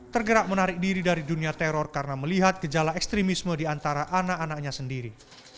tergerak menarik diri dari dunia teror karena melihat gejala ekstremisme di antara anak anaknya sendiri